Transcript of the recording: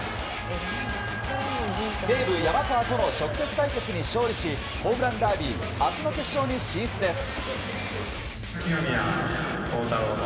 西武、山川との直接対決に勝利しホームランダービー明日の決勝に進出です。